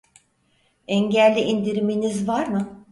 Engelli indiriminiz var mı?